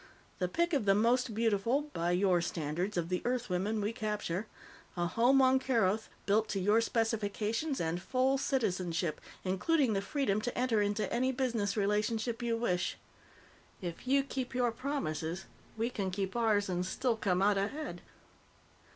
The pick of the most beautiful by your standards of the Earthwomen we capture. A home on Keroth, built to your specifications, and full citizenship, including the freedom to enter into any business relationships you wish. If you keep your promises, we can keep ours and still come out ahead."